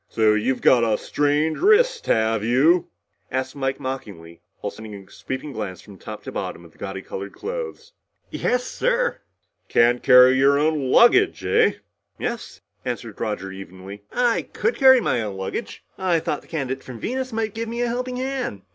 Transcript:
"So you've got a strained wrist, have you?" asked Mike mockingly while sending a sweeping glance from top to bottom of the gaudy colored clothes. "Yes, sir." "Can't carry your own luggage, eh?" "Yes," answered Roger evenly. "I could carry my own luggage. I thought the candidate from Venus might give me a helping hand.